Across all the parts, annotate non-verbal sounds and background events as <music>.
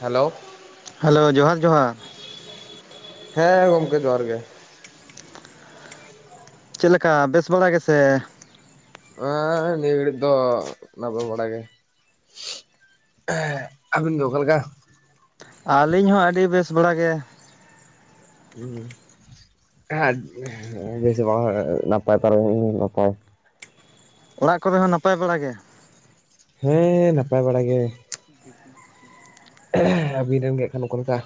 Hello. Hello ᱡᱚᱸᱦᱟᱨ ᱡᱚᱸᱦᱟᱨ᱾ ᱦᱮᱸ ᱜᱚᱢᱠᱮ ᱡᱚᱸᱦᱟᱨ ᱜᱮ᱾ ᱪᱮᱫ ᱞᱮᱠᱟ ᱵᱮᱥ ᱵᱟᱲᱟ ᱜᱮᱥᱮ? ᱮᱸ ᱱᱤᱭᱟᱹ ᱜᱷᱟᱲᱤᱡ ᱫᱚ ᱱᱟᱯᱟᱭ ᱵᱟᱲᱟ ᱜᱮ᱾ ᱦᱮᱸ ᱟᱵᱤᱱ ᱜᱮ ᱚᱠᱟ ᱞᱮᱠᱟ? ᱟᱹᱞᱤᱧ ᱦᱚᱸ ᱟᱹᱰᱤ ᱵᱮᱥ ᱵᱟᱲᱟ ᱜᱮ᱾ <unintelligible> ᱱᱟᱯᱟᱭ ᱚᱲᱟᱜ ᱠᱚᱨᱮ ᱦᱚᱸ ᱱᱟᱯᱟᱭ ᱵᱟᱲᱟ ᱜᱮ? ᱦᱮᱸ ᱱᱟᱯᱟᱭ ᱵᱟᱲᱟ ᱜᱮ᱾ <inaudible> ᱟᱹᱵᱤᱱᱢ ᱨᱮᱱ ᱜᱮ ᱟᱠᱷᱟᱱ ᱚᱠᱟ ᱞᱮᱠᱟ?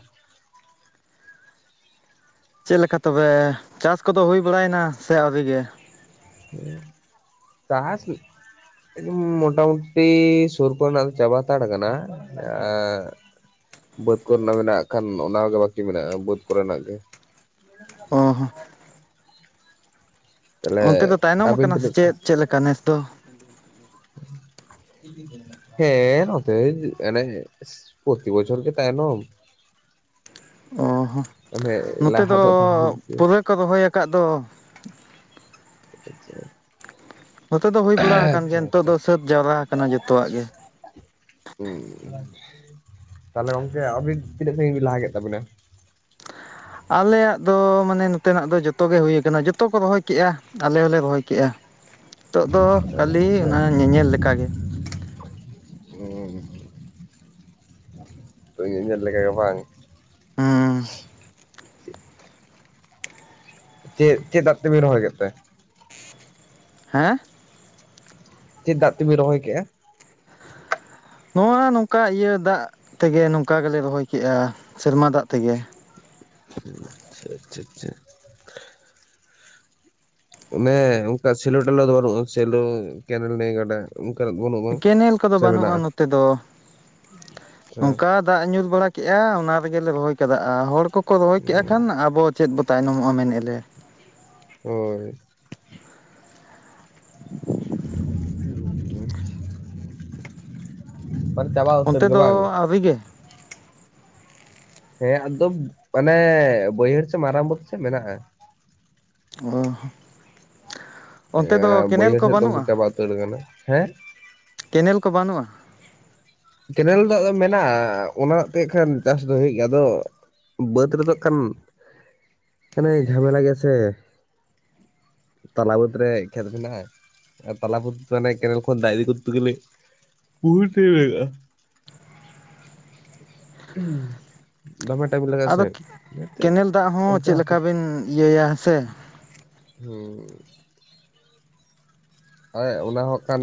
ᱪᱮᱫ ᱞᱮᱠᱟ ᱛᱚᱵᱮ ᱪᱟᱥ ᱠᱚᱫᱚ ᱦᱩᱭ ᱵᱟᱲᱟᱭᱮᱱᱟ ᱥᱮ ᱟᱹᱣᱨᱤ ᱜᱮ? <inaudible> ᱩᱸ ᱢᱚᱴᱟᱢᱩᱴᱤ ᱥᱩᱨ ᱠᱚᱨᱮᱱᱟᱜ ᱫᱚ ᱪᱟᱵᱟ ᱦᱟᱛᱟᱲ ᱠᱟᱱᱟ ᱟ ᱵᱟᱹᱫᱽ ᱠᱚᱨᱮᱱᱟᱜ ᱢᱮᱱᱟᱜ-ᱟ ᱠᱷᱟᱱ ᱚᱱᱟ ᱠᱚᱜᱮ ᱵᱟᱹᱠᱤ ᱢᱮᱱᱟᱜᱼᱟ ᱵᱟᱹᱫᱽ ᱠᱚᱨᱮᱱᱟᱜ ᱜᱮ᱾ ᱦᱚᱸ ᱦᱚᱸ᱾ ᱛᱟᱦᱞᱮ ᱚᱱᱛᱮ ᱫᱚ ᱛᱟᱭᱱᱚᱢ ᱟᱹᱵᱤᱱ ᱟᱠᱟᱱᱟ ᱥᱮ ᱛᱤᱱᱟᱹᱜ ᱪᱮᱫ ᱪᱮᱫ ᱞᱮᱠᱟ ᱱᱮᱥ ᱫᱚ? <inaudible> ᱦᱮᱸ ᱱᱚᱛᱮ ᱮᱱᱮ ᱯᱨᱛᱤ ᱵᱚᱪᱚᱨ ᱜᱮ ᱛᱟᱭᱱᱚᱢ᱾ ᱚ ᱦᱚᱸ ᱢᱟᱱᱮ ᱱᱚᱛᱮ ᱞᱟᱦᱟ ᱫᱚ ᱵᱟᱝ ᱦᱩᱭ ᱜᱮ ᱯᱩᱨᱟᱹ ᱠᱚ ᱨᱚᱦᱚᱭ ᱟᱠᱟᱫ ᱫᱚ᱾ ᱱᱚᱛᱮ ᱫᱚ ᱦᱩᱭ <inaudible> ᱵᱟᱲᱟ ᱟᱠᱟᱱ ᱟᱪᱪᱷᱟ ᱜᱮᱭᱟ ᱱᱤᱛᱚᱜ ᱟᱪᱪᱷᱟ᱾ ᱫᱚ ᱥᱟᱹᱛ ᱡᱟᱣᱨᱟ ᱟᱠᱟᱱᱟ ᱡᱚᱛᱚᱣᱟᱜ ᱜᱮ᱾ ᱦᱩᱸᱧ ᱛᱟᱦᱚᱞᱮ ᱜᱚᱝᱠᱮ ᱟᱵᱤᱱ ᱛᱤᱱᱟᱹᱜ ᱥᱟᱺᱜᱤᱧ ᱵᱤᱱ ᱞᱟᱦᱟ ᱠᱮᱫ ᱛᱟᱵᱤᱱᱟ? ᱟᱞᱮᱭᱟᱜ ᱫᱚ ᱢᱟᱱᱮ ᱱᱚᱛᱮᱱᱟᱜ ᱫᱚ ᱡᱚᱛᱚ ᱜᱮ ᱦᱩᱭᱩ ᱠᱟᱱᱟ ᱡᱚᱛᱚ ᱠᱚ ᱨᱚᱦᱚᱭ ᱠᱮᱜᱼᱟ, ᱟᱞᱮ ᱦᱚᱸᱞᱮ ᱨᱚᱦᱚᱭ ᱠᱮᱜᱼᱟ᱾ ᱱᱤᱛᱚᱜ ᱫᱚ ᱠᱷᱟᱹᱞᱤ ᱟᱪᱪᱷᱟ᱾ ᱚᱱᱟ ᱧᱮᱧᱮᱞ ᱞᱮᱠᱟᱜᱮ ᱛᱚ ᱤᱧᱟᱹᱜ ᱧᱮᱞ ᱞᱮᱠᱟ ᱜᱮ ᱵᱟᱝ? ᱦᱩᱸ᱾ ᱪᱮᱫ ᱪᱮᱫ ᱫᱟᱜ ᱛᱮᱵᱤᱱ ᱨᱚᱦᱚᱭ ᱠᱮᱫ ᱛᱮ? ᱦᱮᱸ? ᱪᱮᱫ ᱫᱟᱜ ᱛᱮᱵᱤᱱ ᱨᱚᱦᱚᱭ ᱠᱮ-ᱟ? ᱱᱚᱣᱟ ᱱᱚᱝᱠᱟ ᱤᱭᱟᱹ ᱫᱟᱜ ᱛᱮᱜᱮ ᱱᱚᱝᱠᱟ ᱜᱮᱞᱤᱧ ᱨᱚᱦᱚᱭ ᱠᱮᱜᱼᱟ, ᱥᱮᱨᱢᱟ ᱫᱟᱜ ᱛᱮᱜᱮ᱾ ᱩᱸ ᱪᱷᱟ ᱪᱷᱟ ᱪᱷᱟ᱾ ᱚᱱᱮ ᱢᱟᱱᱮ ᱚᱝᱠᱟ ᱥᱮᱞᱳ ᱴᱟᱞᱚ ᱫᱚ ᱵᱟᱹᱱᱩᱜᱼᱟ ᱥᱮᱞᱳ ᱠᱮᱱᱮᱞ ᱱᱟᱹᱭ ᱜᱟᱰᱟ᱾ ᱚᱱᱠᱟᱱᱟᱜ ᱵᱟᱹᱱᱩᱜ᱾ ᱠᱮᱱᱮᱞ ᱠᱚᱫᱚ ᱵᱟᱹᱱᱩᱜᱼᱟ ᱱᱚᱛᱮ ᱫᱚ ᱟᱪᱪᱷᱟ ᱱᱚᱝᱠᱟ ᱫᱟᱜ ᱧᱩ ᱵᱟᱲᱟ ᱠᱮᱜᱼᱟ ᱚᱱᱟ ᱨᱮᱜᱮᱞᱮ ᱨᱚᱦᱚᱭ ᱠᱟᱫᱟ ᱦᱚᱲ ᱠᱚᱠᱚ ᱨᱚᱦᱚᱭ ᱠᱮᱫᱟᱼᱟ ᱠᱷᱟᱱ ᱟᱵᱚ ᱪᱮᱫ ᱵᱚ ᱛᱟᱭᱱᱚᱢᱚᱜᱼᱟ ᱢᱮᱱᱮᱫ ᱞᱮ᱾ ᱦᱳᱭ᱾ ᱢᱟᱱᱮ ᱪᱟᱵᱟ ᱩᱛᱟᱹᱨ ᱚᱱᱛᱮ ᱜᱮ ᱫᱚ ᱵᱟᱝ ᱟᱹᱰᱤᱣᱨᱤᱜᱮ᱾ ᱦᱮᱸ ᱟᱠᱫᱚᱢ ᱢᱟᱱᱮ ᱵᱟᱹᱭᱦᱟᱹᱲ ᱢᱟᱨᱟᱝ ᱵᱟᱹᱛ ᱥᱮᱜ ᱢᱮᱱᱟᱜᱼᱟ᱾ ᱚ ᱚᱱᱛᱮ ᱫᱚ ᱮᱸ ᱠᱮᱱᱮᱞ ᱵᱟᱹᱭᱦᱟᱹᱲ ᱠᱚ ᱥᱮᱫ ᱫᱚᱠᱚ ᱵᱟᱹᱱᱩᱜᱼᱟ ᱪᱟᱵᱟ ᱩᱛᱟᱹᱨ ᱠᱟᱱᱟ ᱦᱮᱸ᱾ ᱠᱮᱱᱮᱞ ᱠᱚ ᱵᱟᱹᱱᱩᱜᱼᱟ? ᱠᱮᱱᱮᱞ ᱫᱟᱜ ᱫᱚ ᱢᱮᱱᱟᱜᱼᱟ ᱚᱱᱟ ᱛᱮ ᱠᱷᱟᱱ ᱪᱟᱥ ᱫᱚ ᱦᱳᱭᱳᱜ ᱜᱮᱭᱟ ᱟᱫᱚ ᱵᱟᱹᱫᱽ ᱨᱮᱫᱚ ᱠᱟᱱ ᱟᱱᱮ ᱡᱷᱟᱢᱮᱞᱟ ᱜᱮ ᱥᱮ᱾ ᱛᱞᱟᱵᱩᱛ ᱨᱮ ᱠᱷᱮᱛᱱᱟ ᱢᱮᱱᱟᱜᱼᱟ ᱾ ᱟᱨ ᱛᱟᱞᱟ ᱯᱩᱨ ᱢᱟᱱᱮ ᱠᱮᱱᱮᱞ ᱠᱷᱚᱱ ᱰᱟᱭᱤ ᱠᱚᱨᱛᱮ ᱜᱮᱞᱮ <unintelligible> ᱦᱳᱭᱳᱜᱼᱟ ᱾ ᱦᱩᱸ ᱫᱚᱢᱮ ᱴᱟᱭᱤᱢ ᱞᱟᱜᱟᱜᱼᱟ ᱥᱮ ᱟᱫᱚ ᱡᱟᱛᱮ ᱠᱮᱱᱮᱞ ᱫᱟᱜ ᱦᱚᱸ ᱚᱱᱛᱮ ᱪᱮᱫ ᱦᱟᱯᱮ ᱞᱮᱠᱟ ᱦᱩᱸ ᱵᱤᱱ ᱤᱭᱟᱹᱭᱟ ᱥᱮ ᱦᱟᱭ ᱚᱱᱟ ᱦᱚᱸ ᱠᱟᱱ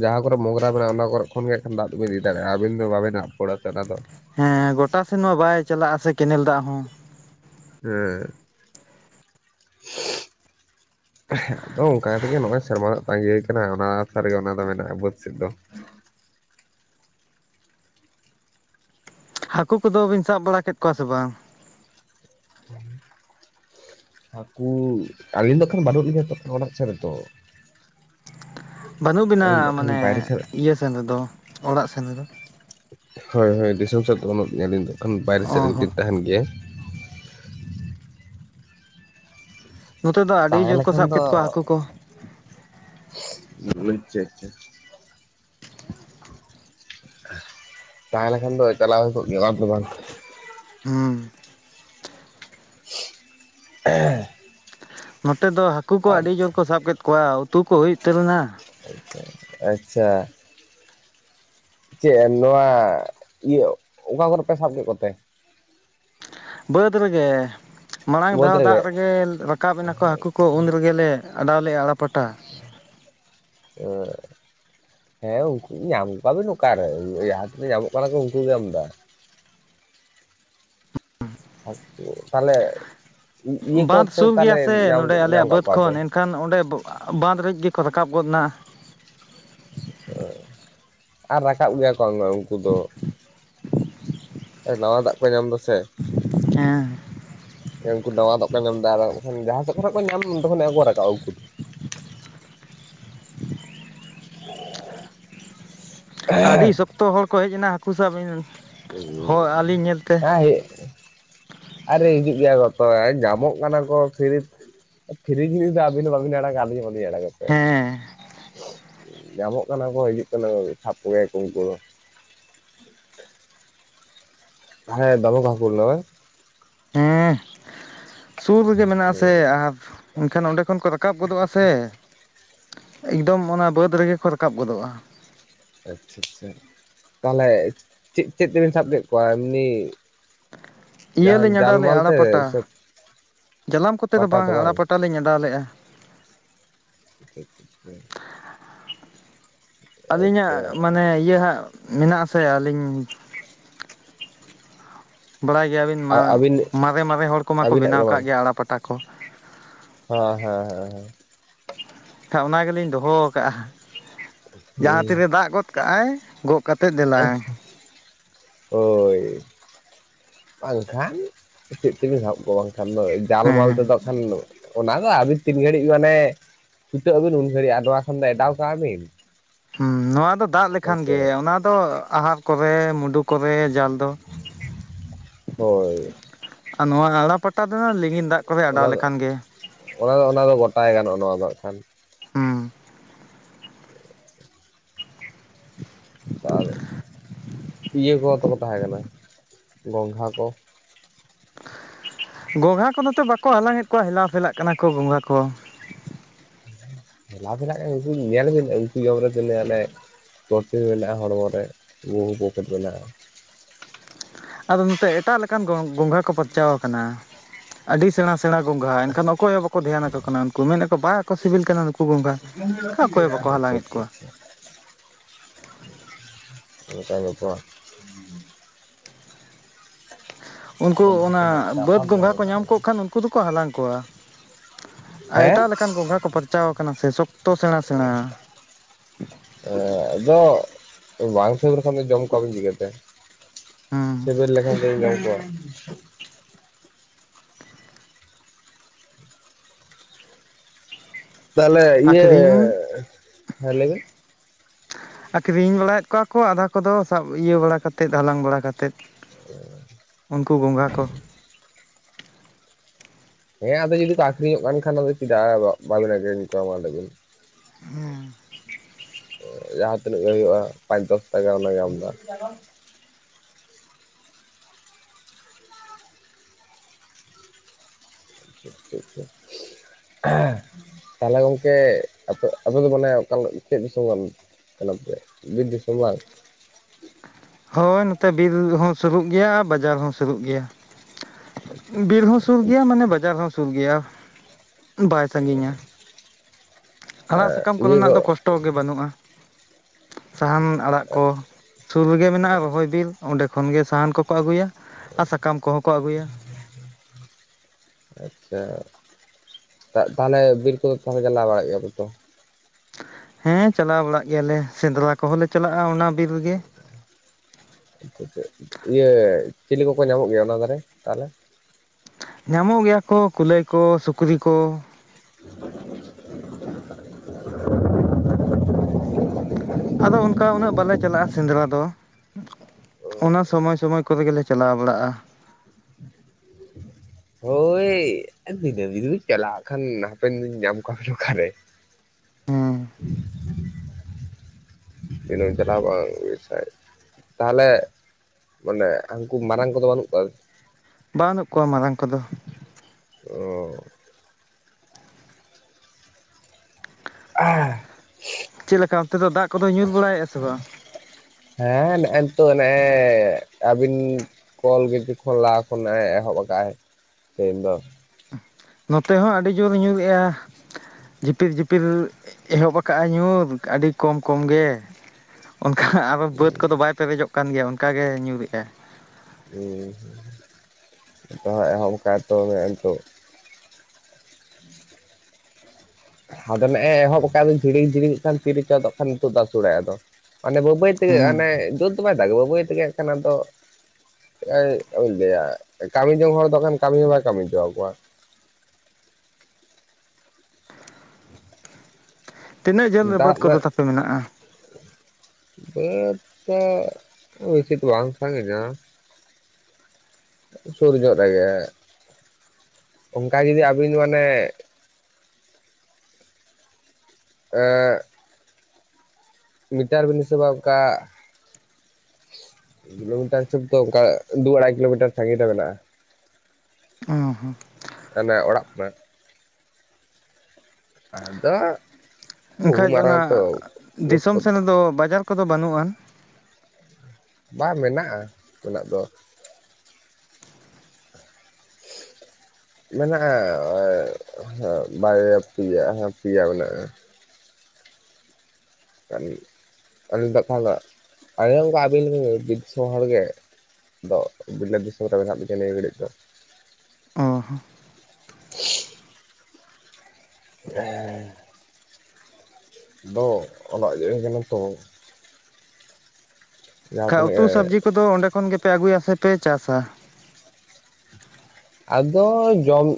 ᱡᱟᱦᱟᱸ ᱠᱚᱨᱮ ᱢᱳᱜᱽᱨᱟ ᱢᱮᱱᱟᱜᱼᱟ ᱚᱱᱟ ᱠᱚᱨᱮ ᱠᱷᱚᱱ ᱜᱮ ᱮᱠᱷᱟᱱ ᱫᱟᱜ ᱫᱚᱵᱤᱱ ᱤᱫ ᱫᱟᱲᱮᱭᱟᱜᱼᱟ ᱟᱹᱵᱤᱱ ᱫᱚ ᱵᱟᱵᱤᱱ ᱟᱟᱜ ᱯᱟᱹᱲᱟ ᱥᱮ ᱚᱱᱟ ᱫᱚ᱾ ᱦᱮᱸ ᱜᱚᱴᱟ ᱥᱮᱱ ᱢᱟ ᱵᱟᱭ ᱪᱟᱞᱟᱜ ᱟᱥ ᱠᱮᱱᱮᱞ ᱫᱟᱜ ᱦᱚᱸ᱾ ᱦᱮᱸ ᱟᱫᱚ ᱚᱱᱠᱟ ᱛᱮᱜᱮ ᱱᱚᱜᱼᱚᱭ ᱥᱮᱨᱢᱟᱟᱜ ᱛᱟᱜᱤ ᱠᱟᱱᱟ ᱚᱱᱟ ᱠᱟᱛᱷᱟ ᱨᱮᱜᱮ ᱚᱱᱟ ᱫᱚ ᱢᱮᱱᱟᱜᱼᱟ ᱵᱟᱹᱫᱽ ᱥᱮᱫ ᱫᱚ᱾ ᱦᱟᱠᱳ ᱠᱚᱫᱚ ᱵᱤᱱ ᱥᱟᱵ ᱠᱮᱫ ᱠᱚᱣᱟ ᱥᱮ ᱵᱟᱝ? <unintelligible> ᱦᱟᱹᱠᱩ ᱟᱹᱞᱤᱧ ᱫᱚ ᱠᱷᱟᱱ ᱵᱟᱹᱱᱩᱜ ᱞᱤᱧᱟ ᱦᱟᱛ ᱚᱲᱟᱜ ᱪᱷᱟ ᱨᱮ ᱛᱚ᱾ ᱵᱟᱹᱱᱩᱜ ᱵᱤᱱᱟ ᱟᱹᱞᱤᱧ ᱫᱚ ᱠᱷᱟᱱ ᱢᱟᱱᱮ ᱵᱟᱭᱨᱮ ᱥᱮᱫ ᱤᱭᱟᱹ ᱥᱮᱱ ᱨᱮᱫᱚ ᱚᱲᱟᱜ ᱥᱮᱱ ᱨᱮᱫᱚ᱾ ᱦᱳᱭ ᱫᱤᱥᱚᱢ ᱫᱚ ᱵᱟᱹᱱ ᱧᱮᱞᱤᱧ ᱫᱚᱠᱷᱟᱱ ᱵᱟᱭᱨᱮ ᱚ ᱥᱮᱫ ᱦᱚᱸ ᱨᱮᱮᱞᱤᱧ ᱛᱟᱦᱮᱱ ᱜᱮᱭᱟ᱾ ᱱᱚᱛᱮ ᱫᱚ ᱟᱹᱰᱤ ᱛᱟᱦᱮᱸ ᱡᱳᱨ ᱠᱚ ᱞᱮᱠᱷᱟᱱ ᱥᱟᱵ ᱫᱚ ᱠᱮᱫ ᱠᱚᱣᱟ ᱦᱟᱹᱠᱩ ᱠᱚ ᱟᱪᱪᱷᱟ ᱟᱪᱪᱷᱟ᱾ ᱛᱟᱦᱮᱸᱞᱮᱠᱷᱟᱱ ᱫᱚ ᱪᱟᱞᱟᱣ ᱦᱩᱭ ᱠᱚᱜ ᱜᱮᱭᱟ ᱵᱟᱝ ᱫᱚ ᱵᱟᱝ᱾ ᱦᱩᱸ <unintelligible> ᱱᱚᱛᱮ ᱫᱚ ᱦᱟᱹᱠᱩ ᱠᱚ ᱟᱹᱰᱤ ᱡᱳᱨ ᱠᱚ ᱥᱟᱵ ᱠᱮᱫ ᱠᱚᱣᱟ ᱩᱛᱩ ᱠᱚ ᱦᱩᱭᱩᱜ ᱩᱛᱟᱞᱮᱱᱟ᱾ ᱟ ᱟᱪᱪᱷᱟ ᱟᱪᱪᱷᱟ ᱾ ᱪᱮᱜ ᱱᱚᱣᱟ ᱤᱭᱟᱹ ᱚᱠᱟ ᱠᱚᱨᱮ ᱯᱮ ᱥᱟᱵ ᱠᱮᱫ ᱠᱚᱛᱮ? ᱵᱟᱹᱫᱽ ᱨᱮᱜᱮ᱾ ᱢᱟᱲᱟᱝ ᱫᱷᱟᱣ ᱫᱟᱜ ᱨᱮᱜᱮ ᱨᱟᱠᱟᱵ ᱮᱱᱟᱠᱚ ᱦᱟᱹᱠᱩ ᱠᱚ ᱩᱱ ᱨᱮᱜᱮᱞᱮ ᱚᱰᱟᱣ ᱞᱮᱜᱼᱟ ᱟᱲᱟ ᱯᱟᱴᱟ᱾ <unintelligible> ᱦᱮᱸ ᱩᱝᱠᱩ ᱧᱟᱢ ᱠᱚᱣᱟᱵᱤᱱ ᱚᱠᱟᱨᱮ ᱡᱟᱦᱟᱸ ᱛᱤᱱᱟᱹᱜ ᱧᱟᱢᱚᱜ ᱠᱟᱱᱟ ᱠᱚ ᱩᱱᱠᱩ ᱜᱮ ᱟᱢᱫᱟ᱾ ᱛᱟᱦᱞᱮ ᱤᱭᱩᱟᱹ-ᱤᱭᱟᱹ ᱵᱟᱸᱫᱷ ᱠᱚᱯᱮ ᱛᱟᱦᱞᱮ ᱧᱟᱢ-ᱧᱟᱢ ᱠᱟᱜ ᱠᱚᱣᱟᱯᱮ᱾ ᱮᱠᱷᱟᱱ ᱚᱸᱰᱮ ᱵᱟᱸᱫᱽ ᱨᱮᱡ ᱜᱮᱠᱚ ᱨᱟᱠᱟᱵ ᱜᱚᱫ ᱱᱟ᱾ ᱟᱨ ᱨᱟᱠᱟᱵ ᱜᱮᱭᱟ ᱠᱚ ᱫᱚ ᱩᱱᱠᱩ ᱫᱚ᱾ ᱱᱟᱣᱟ ᱫᱟᱜ ᱠᱚ ᱧᱟᱢ ᱫᱟ ᱥᱮ᱾ ᱦᱮᱸ ᱩᱱᱠᱩ ᱱᱟᱣᱟ ᱫᱟᱜ ᱠᱚ ᱧᱟᱢ ᱮᱫᱟ ᱟᱨ ᱵᱟᱠᱷᱟᱱ ᱡᱟᱦᱟᱸ ᱥᱮᱫ ᱠᱷᱚᱱᱟᱜ ᱠᱚ ᱧᱟᱢᱟ <unintelligible> ᱨᱟᱠᱟᱼᱟ ᱩᱱᱠᱩ ᱫᱚ᱾ ᱟᱹᱰᱤ ᱥᱚᱠᱛᱚ ᱦᱚᱲ ᱠᱚ ᱦᱮᱡ ᱮᱱᱟ ᱦᱟᱹᱠᱩ ᱥᱟᱵ᱾ ᱦᱚᱲ ᱟᱹᱞᱤᱧ <inaudible> ᱧᱮᱞᱛᱮ ᱦᱩᱭᱩᱜ ᱟᱨᱮ ᱦᱤᱡᱩᱜ ᱜᱮᱭᱟ ᱠᱚᱛᱚ ᱧᱟᱢᱚᱜ ᱠᱟᱱᱟ ᱠᱚ ᱯᱷᱤᱨᱤ ᱯᱷᱤᱨᱤ ᱡᱤᱱᱤᱥ ᱫᱚ ᱟᱹᱵᱤᱱ ᱦᱚ ᱵᱟᱵᱤᱱ ᱟᱲᱟᱜᱟ ᱟᱹᱞᱤᱧ ᱦᱚᱸ ᱵᱟᱞᱤᱧ ᱟᱲᱟᱜ-ᱟ ᱥᱮ᱾ ᱦᱮᱸ ᱧᱟᱢᱚᱜ ᱠᱟᱱᱟ ᱠᱚ ᱦᱤᱡᱩᱜ ᱠᱟᱱᱟ ᱥᱟᱷᱟᱯ ᱠᱚᱜᱮᱭᱟᱠᱚ ᱩᱱᱠᱩ ᱫᱚ᱾ ᱦᱮᱸ ᱫᱚᱢᱮᱠᱚ ᱦᱟᱠᱳ ᱞᱮᱱᱟ ᱵᱟᱝ? ᱦᱮᱸ᱾ ᱥᱩᱨ ᱨᱮᱜᱮ ᱢᱮᱱᱟᱜ-ᱟ ᱥᱮ ᱟᱨ ᱮᱱᱠᱷᱟᱱ ᱚᱸᱰᱮ ᱠᱷᱚᱱ ᱠᱚ ᱨᱟᱠᱟᱵ ᱜᱚᱫᱚᱜᱼᱟ ᱥᱮ᱾ ᱤᱠᱫᱚᱢ ᱚᱱᱟ ᱵᱟᱹᱫᱽ ᱨᱮᱜᱮ ᱠᱚ ᱨᱟᱠᱟᱵ ᱜᱚᱫᱚᱜᱼᱟ ᱾ ᱟᱪᱪᱷᱟ ᱟᱪᱪᱷᱟ ᱛᱟᱦᱚᱞᱮ ᱪᱮᱫ ᱪᱮᱫ ᱛᱮᱵᱤᱱ ᱥᱟᱵ ᱠᱮᱫ ᱠᱚᱣᱟ ᱮᱢᱱᱤ ᱤᱭᱟᱹ ᱡᱟᱦᱟᱸ ᱞᱤᱧ ᱟᱰᱟᱣ ᱞᱮᱜᱼᱟ ᱡᱟᱞᱢᱟᱞ ᱟᱲᱟ ᱛᱮ ᱯᱟᱴᱟ᱾ ᱥᱮ ᱡᱟᱞᱟᱢ ᱠᱚᱛᱮ ᱫᱚ ᱯᱟᱴᱟ ᱵᱟᱝ ᱛᱮ ᱟᱲᱟ ᱯᱟᱴ ᱴᱟ ᱞᱤᱧ ᱚᱰᱟᱣ ᱞᱮᱜᱼᱟ ᱾ <unintelligible> ᱟᱹᱞᱤᱧᱟᱜ ᱢᱟᱱᱮ ᱤᱭᱟᱹ ᱦᱟᱸᱜ ᱢᱮᱱᱟᱜ-ᱟ ᱥᱮ ᱟᱹᱞᱤᱧ ᱵᱟᱲᱟᱭ ᱜᱤᱭᱟᱵᱤᱱ ᱢᱟ ᱟᱹᱵᱤᱱ ᱢᱟᱨᱮ ᱢᱟᱨᱮ ᱦᱚᱲ ᱠᱚᱢᱟ ᱠᱚ ᱟᱹᱵᱤᱱᱟᱜ ᱵᱮᱱᱟᱣ ᱜᱮ ᱵᱟᱝ ᱠᱟᱜ ᱜᱮᱭᱟ ᱟᱲᱟ ᱯᱟᱴᱟ ᱠᱚ ᱾ ᱦᱮᱸ ᱦᱮᱸ ᱦᱮᱸ ᱦᱮᱸ᱾ ᱦᱮ ᱚᱱᱟ ᱜᱮᱞᱤᱧ ᱫᱚᱦᱚ ᱠᱟᱜᱼᱟ ᱡᱟᱦᱟᱸ ᱛᱤᱨᱮ ᱦᱮᱸ ᱫᱟᱜ ᱜᱚᱫ ᱠᱟᱜᱼᱟᱭ ᱜᱚᱠ ᱳᱻᱦ ᱦᱳ ᱳᱭ ᱵᱟᱝᱠᱷᱟᱱ ᱪᱮᱫ ᱛᱮᱵᱤᱱ ᱥᱟᱵ ᱠᱚᱣᱟ ᱵᱟᱝᱠᱷᱟᱱ ᱫᱚ ᱡᱟᱞ ᱢᱟᱞ ᱦᱮᱸ ᱛᱮᱫᱚ <unintelligible> ᱚᱱᱟ ᱫᱚ ᱟᱵᱤᱱ ᱛᱤᱱ ᱜᱷᱟᱹᱲᱤᱡ ᱢᱟᱱᱮ <unintelligible> ᱟᱹᱵᱤᱱ ᱩᱱ ᱜᱷᱟᱹᱲᱤᱡ ᱟᱨ ᱱᱚᱣᱟ ᱠᱷᱚᱱ ᱫᱚ ᱮᱰᱟᱣ ᱠᱟᱜ-ᱟ ᱵᱤᱱ? ᱦᱩᱸ ᱱᱩᱣᱟ ᱫᱚ ᱫᱟᱜ ᱞᱮᱠᱷᱟᱱ ᱦᱮᱸᱥᱮ ᱜᱮ ᱚᱱᱟ ᱫᱚ ᱟᱦᱟᱨ ᱠᱚᱨᱮ ᱢᱩᱰᱩ ᱠᱚᱨᱮ ᱡᱟᱞ ᱫᱚ ᱦᱳᱭ᱾ ᱟᱨ ᱱᱚᱣᱟ ᱟᱲᱟ ᱯᱟᱴᱟ ᱛᱮᱫᱚ ᱦᱟᱜ ᱞᱤᱸᱜᱤᱱ ᱫᱟᱜ ᱠᱚᱨᱮ ᱚᱰᱟᱣ ᱚᱱᱟ ᱫᱚ ᱞᱮᱠᱷᱟᱱ ᱜᱮ ᱚᱱᱟ ᱫᱚ ᱚᱱᱟᱫᱚ ᱜᱚᱴᱟᱭ ᱜᱟᱱᱚᱜᱼᱟ ᱱᱚᱣᱟ ᱫᱚ ᱦᱟᱜ ᱠᱷᱟᱱ᱾ ᱦᱩᱸ᱾ ᱟᱨ ᱤᱭᱟᱹ ᱠᱚᱦᱚ ᱛᱚᱠᱚ ᱛᱟᱦᱮᱸ ᱠᱟᱱᱟ ᱜᱚᱝᱜᱷᱟ ᱠᱚ᱾ ᱜᱚᱸᱜᱷᱟ ᱠᱚᱫᱚ ᱛᱚ ᱵᱟᱠᱚ ᱦᱟᱞᱟᱝ ᱮᱫ ᱠᱚᱣᱟ ᱦᱮᱞᱟᱣ ᱯᱷᱮᱞᱟᱜ ᱠᱟᱱᱟ ᱠᱚ ᱜᱚᱸᱜᱟ ᱠᱚ ᱾ ᱞᱟᱦᱟ ᱛᱮᱱᱟᱜ ᱩᱛᱩ ᱧᱮᱞ ᱵᱮᱱ ᱩᱛᱩ ᱡᱚᱢ ᱨᱮ ᱛᱤᱱᱟᱹᱜ ᱟᱞᱮ ᱯᱚᱨᱴᱤᱱ ᱢᱮᱱᱟᱜᱼᱟ ᱦᱚᱲᱢᱚ ᱨᱮ ᱵᱚᱦᱩ ᱯᱚᱨᱴᱤᱱ ᱢᱮᱱᱟᱜᱼᱟ ᱾ ᱟᱫᱚ ᱱᱚᱛᱮ ᱮᱴᱟᱜ ᱞᱮᱠᱟᱱ ᱜᱚᱝ, ᱜᱚᱸᱜᱷᱟ ᱠᱚ ᱯᱟᱨᱪᱟᱣ ᱟᱠᱟᱱᱟ ᱾ ᱟᱹᱰᱤ ᱥᱮᱬᱟ ᱥᱮᱬᱟ ᱜᱚᱝᱜᱷᱟ ᱮᱱᱠᱷᱟᱱ ᱚᱠᱚᱭ ᱦᱚᱸ ᱵᱟᱠᱚ ᱫᱷᱮᱭᱟᱱ ᱟᱠᱚ ᱠᱟᱱᱟ ᱩᱱᱠᱩ ᱢᱮᱱᱮᱜ ᱟᱠᱚ ᱵᱟᱠᱚ ᱥᱤᱵᱤᱞ ᱠᱟᱱᱟ ᱱᱩᱠᱩ᱾ ᱜᱚᱸᱜᱷᱟ <unintelligible> ᱚᱠᱚᱭ ᱵᱟᱠᱚ ᱟᱪᱪᱷᱟ ᱦᱟᱞᱟᱝᱮᱫ ᱟᱪᱪᱷᱟ ᱠᱚᱣᱟ ᱟᱪᱪᱷᱟ᱾ ᱚᱝᱠᱟ ᱡᱚᱛᱚᱣᱟᱜ ᱩᱱᱠᱩ ᱚᱱᱟ ᱵᱟᱹᱫᱽ ᱜᱚᱸᱜᱷᱟ ᱠᱚ ᱧᱟᱢ ᱠᱚᱜ ᱠᱷᱟᱱ ᱩᱱᱠᱩ ᱫᱚᱠᱚ ᱦᱟᱞᱟᱝ ᱠᱚᱣᱟ ᱾ ᱟᱻ ᱦᱮᱸ ᱮᱴᱟᱜ ᱞᱮᱠᱟᱱ ᱜᱚᱸᱜᱷᱟ ᱠᱚ ᱯᱟᱨᱪᱟᱣ ᱠᱟᱱᱟ ᱥᱮ ᱥᱚᱠᱛᱚ ᱥᱮᱬᱟ ᱥᱮᱬᱟ ᱾ ᱦᱮ ᱟᱫᱚ ᱵᱟᱝ ᱥᱮᱵᱮᱞ ᱞᱮᱠᱷᱟᱱ ᱫᱚ ᱡᱚᱢ ᱠᱚᱣᱟᱵᱤᱱ ᱪᱤᱠᱟᱹᱛᱮ? ᱦᱮᱸ ᱥᱮᱵᱮᱞ ᱞᱮᱠᱷᱟᱱ ᱵᱤᱱ ᱡᱚᱢ ᱠᱚᱣᱟ ᱾ ᱛᱟᱦᱟᱞᱮ ᱤᱭᱟᱹ, ᱟᱠᱷᱨᱤᱧ ᱦᱮᱸ ᱞᱮᱭᱵᱮᱱ? ᱟᱠᱷᱨᱤᱧ ᱵᱟᱲᱟᱭᱮᱫ ᱠᱚᱣᱟ ᱠᱚ ᱟᱫᱷᱟ ᱠᱚᱫᱚ ᱥᱟᱵ ᱤᱭᱟᱹ ᱵᱟᱲᱟ ᱠᱟᱛᱮᱫ ᱦᱟᱞᱟᱝ ᱵᱟᱲᱟ ᱠᱟᱛᱮᱫ᱾ <inaudible> ᱩᱱᱠᱩ ᱜᱚᱸᱜᱷᱟ ᱠᱚ ᱦᱮᱸ ᱟᱫᱚ ᱡᱩᱫᱤ ᱠᱚ ᱟᱠᱷᱨᱤᱧᱚᱜ ᱠᱟᱱ ᱠᱷᱟᱱ ᱟᱫᱚ ᱪᱤᱫᱟᱜ ᱵᱟᱵᱤᱱ ᱟᱹᱠᱷᱨᱤᱧ ᱠᱚᱣᱟ <unintelligible> ᱦᱮᱸ᱾ ᱡᱟᱦᱟᱸ ᱛᱤᱱᱟᱹᱜ ᱜᱮ ᱦᱩᱭᱩᱜᱼᱟ ᱯᱟᱸᱪ ᱫᱚᱥ ᱴᱟᱠᱟ ᱚᱱᱟ ᱜᱮ ᱟᱢᱫᱟ ᱾ <inaudible> ᱛᱟᱦᱞᱮ ᱜᱚᱝᱠᱮ ᱟᱯᱮ ᱟᱯᱮ ᱫᱚ ᱵᱚᱞᱮ ᱚᱠᱟ ᱪᱮᱫ ᱫᱤᱥᱚᱢ ᱠᱟᱱ? ᱠᱟᱱᱟᱯᱮ ᱵᱤᱨ ᱫᱤᱥᱚᱢ ᱵᱟᱝ? ᱦᱳᱭ ᱱᱚᱛᱮ ᱵᱤᱨ ᱦᱚᱸ ᱥᱩᱨᱩᱜ ᱜᱮᱭᱟ ᱟᱨ ᱵᱟᱡᱟᱨ ᱦᱚᱸ ᱥᱩᱨᱩᱜ ᱜᱮᱭᱟ ᱾ <inaudible> ᱵᱤᱨ ᱦᱚᱸ ᱥᱩᱨ ᱜᱮᱭᱟ ᱢᱟᱱᱮ ᱵᱟᱡᱟᱨ ᱦᱚᱸ ᱥᱩᱨ ᱜᱮᱭᱟ ᱵᱟᱭ ᱥᱟᱺᱜᱤᱧᱟ ᱾ ᱟᱲᱟᱜ ᱥᱟᱠᱟᱢ ᱤᱭᱟᱹ ᱠᱚᱨᱮᱱᱟᱜ ᱠᱚ ᱫᱚ ᱠᱚᱥᱴᱚ ᱜᱮ ᱵᱟᱹᱱᱩᱜᱼᱟ ᱥᱟᱦᱟᱱ ᱟᱲᱟᱜ ᱠᱚ ᱾ ᱥᱩᱨ ᱨᱮᱜᱮ ᱢᱮᱱᱟᱜᱼᱟ ᱨᱚᱦᱚᱭ ᱵᱤᱞ ᱚᱸᱰᱮ ᱠᱷᱚᱱ ᱜᱮ ᱥᱟᱦᱟᱱ ᱠᱚᱠᱚ ᱟᱜᱩᱭᱟ ᱟᱨ ᱥᱟᱠᱟᱢ ᱠᱚᱦᱚᱸ ᱠᱚ ᱟᱜᱩᱭᱟ ᱾ ᱟᱪᱪᱷᱟ ᱫᱟᱜ ᱛᱟᱦᱞᱮ ᱵᱤᱨ ᱠᱚᱫᱚ ᱛᱟᱦᱞᱮ ᱪᱟᱞᱟᱣ ᱵᱟᱲᱟᱜ ᱜᱮᱭᱟ ᱯᱮᱛᱚ? ᱦᱮᱸ ᱪᱟᱞᱟᱣ ᱵᱟᱲᱟᱜ ᱜᱮᱭᱟᱞᱮ ᱥᱮᱸᱫᱽᱞᱟ ᱠᱚᱦᱚᱸ ᱞᱮ ᱪᱟᱞᱟᱜ-ᱟ ᱚᱱᱟ ᱵᱤᱞ ᱜᱮ᱾ ᱤᱭᱟᱹ ᱪᱤᱞᱤ ᱠᱚᱠᱚ ᱧᱟᱢᱚᱜ ᱜᱮᱭᱟ ᱚᱱᱟ ᱫᱷᱟᱨᱮ ᱛᱟᱦᱚᱞᱮ? ᱧᱟᱢᱚᱜ ᱜᱮᱭᱟ ᱠᱚ ᱠᱩᱞᱟᱹᱭ ᱠᱚ ᱥᱩᱠᱨᱤ ᱠᱚ ᱟᱫᱚ ᱚᱱᱠᱟ ᱩᱱᱟᱹᱜ ᱵᱟᱞᱮ ᱪᱟᱞᱟᱜ-ᱟ ᱥᱮᱸᱫᱽᱞᱟ ᱫᱚ᱾ ᱚᱱᱟ ᱥᱚᱢᱚᱭ ᱥᱚᱢᱚᱭ ᱠᱚᱨᱮ ᱜᱮᱞᱮ ᱪᱟᱞᱟᱣ ᱵᱟᱲᱟᱜ-ᱟ᱾ ᱦᱳᱭ ᱫᱤᱱᱟᱹᱢ ᱡᱩᱫᱤ ᱵᱤᱱ ᱪᱟᱞᱟᱜ-ᱟ ᱠᱷᱟᱱ ᱦᱟᱯᱮᱱ ᱫᱤᱱ ᱧᱟᱢ ᱠᱚᱣᱟᱵᱤᱱ ᱚᱠᱟᱨᱮ? ᱦᱮᱸ <inaudible> ᱫᱷᱤᱱᱟᱹᱝ ᱪᱟᱞᱟᱣ ᱠᱚᱜ-ᱟ ᱥᱟᱭ <unintelligible> ᱛᱟᱦᱚᱞᱮ ᱢᱟᱱᱮ ᱦᱟᱝᱠᱩ ᱢᱟᱨᱟᱝ ᱠᱚᱫᱚ ᱵᱟᱹᱱᱩᱜ ᱠᱚᱣᱟ? ᱵᱟᱹᱱᱩᱜ ᱠᱚᱣᱟ ᱢᱟᱨᱟᱝ ᱠᱚᱫᱚ᱾ ᱚᱻ ᱟᱻ ᱪᱮᱜ ᱞᱮᱠᱟ ᱚᱱᱛᱮ ᱫᱚ ᱫᱟᱜ ᱠᱚᱫᱚᱭ ᱧᱩᱨ ᱵᱟᱲᱟᱭᱮᱜ-ᱟ ᱥᱮ ᱵᱟᱝ? ᱦᱮᱸ ᱱᱮᱜ-ᱮ ᱱᱤᱛᱳᱜ ᱱᱮᱜ-ᱮ ᱟᱵᱤᱱ ᱠᱚᱞ ᱠᱤᱪᱷᱩ ᱠᱷᱚᱱ ᱞᱟᱦᱟ ᱠᱷᱚᱱ ᱮ ᱮᱦᱚᱵ ᱟᱠᱟᱜ-ᱟᱭ ᱛᱮᱦᱮᱧ ᱫᱚ᱾ ᱱᱚᱛᱮ ᱦᱚᱸ ᱟᱹᱰᱤ ᱡᱳᱨ ᱮ ᱧᱩᱨ ᱮᱜ-ᱟ᱾ ᱡᱷᱤᱯᱤᱨ ᱡᱷᱤᱯᱤᱞ ᱮᱦᱚᱵ ᱟᱠᱟᱜ-ᱟᱭ ᱧᱩᱨ ᱟᱹᱰᱤ ᱠᱚᱢ ᱠᱚᱢ ᱜᱮ᱾ ᱚᱱᱠᱷᱟ ᱟᱨᱚ ᱵᱟᱹᱫ ᱠᱚᱫᱚ ᱵᱟᱭ ᱯᱮᱨᱮᱡᱚᱜ ᱠᱟᱱ ᱜᱮᱭᱟ ᱚᱱᱠᱟᱜᱮ ᱧᱩᱨᱮᱜ-ᱟ᱾ ᱦᱩᱸᱻ ᱫᱟᱜ ᱮᱦᱚᱵ ᱟᱠᱟᱜ-ᱟᱭ ᱛᱚ ᱦᱮᱸᱜ-ᱮ ᱱᱤᱛᱳᱜ? ᱟᱫᱚ ᱱᱮᱜ-ᱮ ᱮᱦᱚᱵ ᱠᱟᱜ ᱫᱚᱭ ᱛᱤᱲᱤᱝ ᱛᱤᱲᱤᱝ-ᱚᱜ ᱠᱟᱱ ᱛᱤᱨᱮ ᱪᱚ ᱫᱚ ᱠᱷᱟᱱ ᱱᱤᱛᱳᱜ ᱫᱟᱜ ᱟᱥᱩᱲᱟᱭ ᱟᱫᱚ ᱢᱟᱱᱮ ᱵᱟᱹᱭ‌ ᱵᱟ. ᱭ ᱛᱮᱜᱮ ᱟᱱᱮ ᱦᱩᱸ ᱡᱳᱨ ᱫᱚ ᱵᱟᱭ ᱫᱟᱜ-ᱟ ᱵᱟᱹᱭ ᱵᱟ. ᱭ ᱛᱮᱜᱮ ᱟᱜᱠᱷᱟᱱ ᱟᱫᱚ <unintelligible> ᱞᱟᱹᱭᱟ ᱠᱟᱹᱢᱤ ᱡᱚᱝ ᱦᱚᱲ ᱫᱚ ᱠᱷᱟᱱ ᱠᱟᱹᱢᱤ ᱦᱚᱸ ᱵᱟᱭ ᱠᱟᱹᱢᱤ ᱦᱚᱪᱚ ᱟᱠᱚᱣᱟ᱾ ᱛᱤᱱᱟᱹᱜ ᱡᱷᱟᱹᱞ ᱨᱮ ᱵᱟᱹᱫ ᱠᱚᱫᱚ ᱛᱟᱯᱮ ᱢᱮᱱᱟᱜ-ᱟ? <unintelligible> ᱮᱠᱴᱟ ᱵᱥᱤᱫᱚ ᱵᱟᱝ ᱥᱟᱸᱜᱤᱧᱟ ᱥᱩᱨ ᱧᱚᱜ ᱨᱮᱜᱮ ᱚᱱᱠᱟ ᱜᱤ ᱡᱩᱫᱤ ᱟᱵᱤᱱ ᱢᱟᱱᱮ ᱮᱸ ᱢᱤᱴᱟᱨ ᱵᱤᱱ ᱦᱤᱥᱟᱹᱵ-ᱟ ᱚᱱᱠᱟ ᱠᱤᱞᱳᱢᱤᱴᱟᱨ ᱦᱤᱥᱟᱹᱵ ᱫᱚ ᱚᱱᱠᱟ ᱫᱩ ᱟᱲᱟᱭ ᱠᱤᱞᱳᱢᱤᱴᱟᱨ ᱥᱟᱺᱜᱤᱧ ᱨᱮ ᱢᱮᱱᱟᱜ-ᱟ᱾ ᱚ ᱦᱚᱸ᱾ ᱛᱟᱦᱚᱞᱮ ᱚᱲᱟᱜ ᱠᱷᱚᱱᱟᱜ ᱟᱫᱚ ᱵᱚᱦᱩ ᱮᱱᱠᱷᱟᱡ ᱚᱱᱟ ᱢᱟᱨᱟᱝ ᱛᱚ ᱚᱛ ᱫᱤᱥᱚᱢ ᱠᱚ ᱥᱮᱱ ᱟᱫᱚ ᱵᱟᱡᱟᱨ ᱠᱚᱫᱚ ᱵᱟᱹᱱᱩᱜ ᱟᱱ᱾ ᱵᱟᱝ ᱢᱮᱱᱟᱜ-ᱟ ᱩᱱᱟᱹᱜ ᱫᱚ᱾ <inaudible> ᱢᱮᱱᱟᱜᱼᱟ ᱮ ᱚᱜ ᱵᱟᱨᱭᱟ ᱯᱮᱭᱟ, ᱦᱮᱸ ᱯᱮᱭᱟ ᱢᱮᱱᱟᱜᱼᱟ᱾ <inaudible> ᱟᱞᱤᱧ ᱵᱟᱠᱷᱟᱡ ᱫᱚ, ᱟᱸᱡᱚᱢ ᱠᱟᱜ ᱟ ᱵᱤᱱ ᱵᱤᱨ ᱫᱤᱥᱚᱢ ᱦᱚᱲᱜᱮ᱾ ᱫᱚ ᱵᱤᱞᱟᱹᱛ ᱫᱤᱥᱚᱢ ᱨᱮ ᱢᱮᱱᱟᱜ ᱞᱤᱧᱟ ᱱᱤᱭᱟᱹ ᱜᱷᱟᱹᱲᱤᱡ ᱫᱚ᱾ ᱚᱸ ᱦᱚᱸ᱾ ᱦᱮᱸ᱾ ᱫᱚ <unintelligible> ᱡᱟᱹᱲᱤ ᱠᱟᱱᱟ ᱛᱚ᱾ ᱡᱟᱦᱟᱸ ᱚᱠᱟ ᱛᱤᱱᱟᱹᱜ ᱩᱛᱩ ᱮ ᱥᱚᱵᱽᱡᱤ ᱠᱚᱫᱚ ᱚᱸᱰᱮ ᱠᱷᱚᱱ ᱜᱮᱯᱮ ᱟᱹᱜᱩᱭᱟ, ᱥᱮᱯᱮ ᱪᱟᱥᱟ? ᱟᱫᱚ ᱡᱚᱢ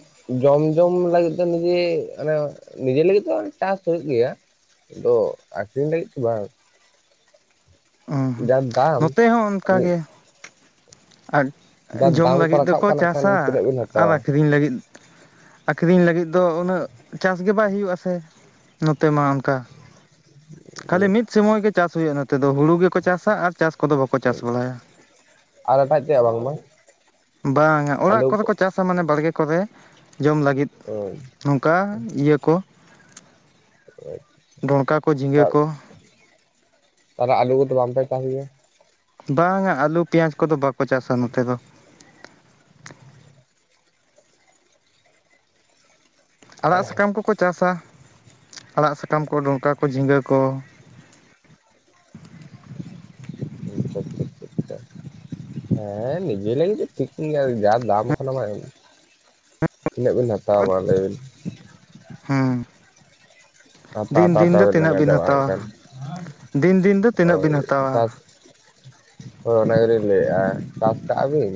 ᱡᱚᱢ ᱡᱚᱢ ᱞᱟᱹᱜᱤᱫ ᱫᱚ ᱱᱤᱡᱮ ᱟᱱᱮ ᱱᱤᱡᱮ ᱞᱟᱹᱜᱤᱫ ᱫᱚ ᱪᱟᱥ ᱦᱳᱭᱳᱜ ᱜᱮᱭᱟ ᱫᱚ ᱟᱠᱷᱨᱤᱧ ᱞᱟᱹᱜᱤᱫ ᱫᱚ ᱵᱟᱝ᱾ ᱚ ᱦᱚᱸ ᱡᱟᱦᱛ ᱱᱚᱛᱮ ᱦᱚᱸ ᱚᱱᱠᱟᱜᱮ᱾ ᱟᱨ ᱫᱟᱢ ᱡᱟ ᱡᱚᱢ ᱫᱟᱢ ᱠᱚ ᱞᱟᱹᱜᱤᱫ ᱨᱟᱠᱟᱵ ᱫᱚᱠᱚ ᱠᱟᱱᱟ ᱪᱟᱥᱟ ᱠᱷᱟᱱ ᱛᱤᱱᱟᱹᱜ ᱵᱤᱱ ᱟᱨ ᱦᱟᱛᱟᱣᱟ ᱟᱠᱷᱨᱤᱧ ᱞᱟᱹᱜᱤᱫ ᱟᱹᱠᱷᱨᱤᱧ ᱞᱟᱹᱜᱤᱫ ᱫᱚ ᱩᱱᱟᱹᱜ ᱪᱟᱥ ᱜᱮ ᱵᱟᱭ ᱦᱩᱭᱩᱜᱼᱟ ᱥᱮ ᱱᱚᱛᱮ ᱢᱟ ᱚᱱᱠᱟ᱾ ᱠᱷᱟᱹᱞᱤ ᱢᱤᱫ ᱥᱳᱢᱳᱭ ᱜᱮ ᱪᱟᱥ ᱦᱩᱭᱩᱜᱼᱟ ᱱᱚᱛᱮ ᱫᱚ ᱦᱩᱲᱩ ᱜᱮᱠᱚ ᱪᱟᱥᱟ ᱟᱨ ᱪᱟᱥ ᱠᱚᱫᱚ ᱵᱟᱠᱚ ᱪᱟᱥ ᱵᱟᱲᱟᱭᱟ᱾ ᱟᱨ ᱮᱴᱟᱜ ᱛᱮᱭᱟᱜ ᱵᱟᱝᱢᱟ ᱵᱟᱝ ᱟ ᱚᱲᱟᱜ ᱠᱚᱨᱮ ᱠᱚ ᱪᱟᱥᱟ ᱢᱟᱱᱮ ᱵᱟᱲᱜᱮ ᱠᱚᱨᱮ ᱡᱚᱢ ᱞᱟᱹᱜᱤᱫ᱾ ᱱᱚᱝᱠᱟ ᱤᱭᱟᱹ ᱠᱚ ᱰᱚᱸᱲᱠᱟ ᱠᱚ ᱡᱷᱤᱸᱜᱟᱹ ᱛᱟᱦᱞᱮ ᱠᱚ ᱟᱨ, ᱟᱨ ᱟᱹᱞᱩ ᱠᱚᱫᱚ ᱵᱟᱝᱯᱮ ᱪᱟᱥ ᱜᱮᱭᱟ? ᱵᱟᱝᱼᱟ ᱟᱹᱞᱩ ᱯᱮᱸᱭᱟᱡᱽ ᱠᱚᱫᱚ ᱵᱟᱠᱚ ᱪᱟᱥᱟ ᱱᱚᱛᱮ ᱫᱚ᱾ ᱟᱲᱟᱜ ᱥᱟᱠᱟᱢ ᱠᱚᱠᱚ ᱪᱟᱥᱟ, ᱟᱲᱟᱜ ᱥᱟᱠᱟᱢ ᱠᱚ ᱰᱚᱢᱠᱟ ᱠᱚ ᱡᱷᱤᱸᱜᱟᱹ ᱠᱚ᱾ ᱟᱪᱪᱷᱟ ᱟᱪᱪᱷᱟ ᱟᱪᱪᱷᱟ ᱟᱪᱪᱷᱟ᱾ ᱦᱮᱸ ᱱᱤᱡᱮ ᱞᱟᱹᱜᱤᱫ ᱫᱚ ᱴᱷᱤᱠ ᱜᱮᱭᱟ ᱡᱟ ᱫᱟᱢ ᱟᱠᱟᱱᱟ ᱵᱟᱝ᱾ ᱛᱤᱱᱟᱹᱜ ᱵᱤᱱ ᱦᱟᱛᱟᱣᱟ ᱢᱟ ᱞᱟᱹᱭ ᱵᱤᱱ? ᱦᱮᱸ ᱦᱟᱛᱟᱣ ᱫᱤᱱ ᱦᱟᱛᱟᱣ ᱫᱤᱱ ᱫᱚ ᱛᱮᱵᱤᱱ ᱛᱤᱱᱟᱹᱜ ᱞᱟᱸᱜᱟ ᱵᱤᱱ ᱪᱟᱵᱟᱜ ᱦᱟᱛᱟᱣᱟ᱾ ᱠᱟᱱ ᱫᱤᱱ ᱫᱤᱱ ᱫᱚ ᱛᱤᱱᱟᱹᱜ ᱦᱳᱭ ᱵᱤᱱ ᱦᱟᱛᱟᱣ᱾ ᱪᱟᱥ ᱦᱳᱭ ᱚᱱᱟ ᱜᱮᱞᱤᱧ ᱞᱟᱹᱭ ᱮᱜᱼᱟ ᱪᱟᱥ ᱠᱟᱣᱟ ᱟᱹᱵᱤᱱ᱾